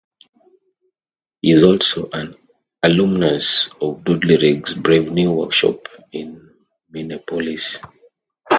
He is also an alumnus of Dudley Riggs' Brave New Workshop in Minneapolis.